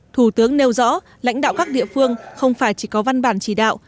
thủ tướng nêu rõ lãnh đạo các địa phương không phải chỉ có văn bản chỉ đạo